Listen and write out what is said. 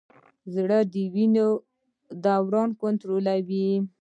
زړه د وینې دوران کنټرولوي.